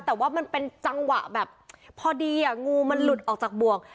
แต่ว่ามันเป็นจังหวะแบบพอดีงูมันหลุดออกจากบ่วง